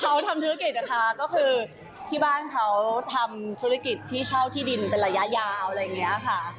เขาทำธุรกิจนะคะก็คือที่บ้านเขาทำธุรกิจที่เช่าที่ดินเป็นระยะยาวอะไรอย่างนี้ค่ะ